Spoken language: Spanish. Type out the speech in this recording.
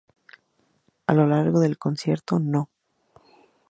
A lo largo del Concierto No.